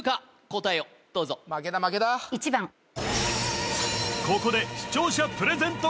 答えをどうぞ１番ここで視聴者プレゼント